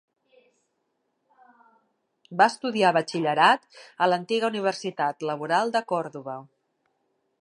Va estudiar batxillerat a l'antiga Universitat Laboral de Còrdova.